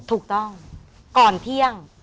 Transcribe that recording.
ถูกต้องก่อนเที่ยง